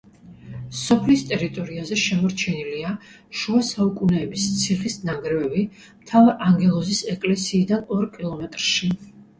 სოფლის ტერიტორიაზე შემორჩენილია შუასაუკუნეების ციხის ნანგრევები, მთავარანგელოზის ეკლესიიდან ორ კილომეტრში.